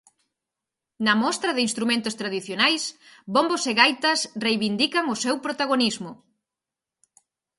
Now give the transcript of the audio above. Na mostra de instrumentos tradicionais bombos e gaitas reivindican o seu protagonismo.